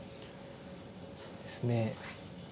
そうですね。